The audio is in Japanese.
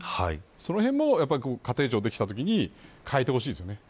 そのへんも家庭庁ができたときに変えてほしいですね。